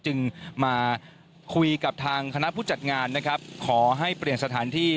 จึงมาคุยกับทางคณะผู้จัดงานนะครับขอให้เปลี่ยนสถานที่